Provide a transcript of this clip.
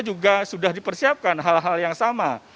juga sudah dipersiapkan hal hal yang sama